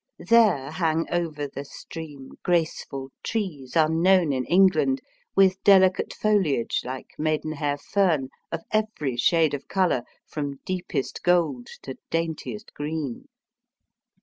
There hang over the stream graceful trees, unknown in England, with delicate fohage like maidenhair fern, of every shade of colour, from deepest gold to daintiest green.